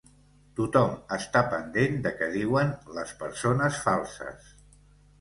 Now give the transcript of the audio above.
Tothom està pendent de què diuen les persones falses.